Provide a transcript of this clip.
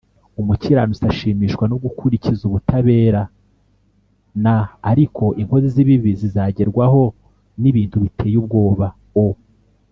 Umukiranutsi ashimishwa no gukurikiza ubutabera n ariko inkozi z ibibi zizagerwaho n ibintu biteye ubwoba o